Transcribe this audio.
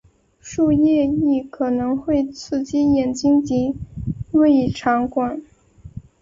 树液亦可能会刺激眼睛及胃肠管。